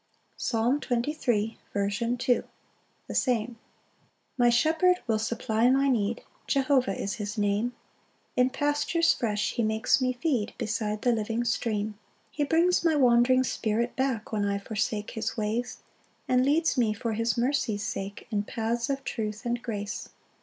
] Psalm 23:2. C. M. The same. 1. My Shepherd will supply my need, Jehovah is his name; In pastures fresh he makes me feed Beside the living stream. 2 He brings my wandering spirit back, When I forsake his ways; And leads me for his mercy's sake, In paths of truth and grace.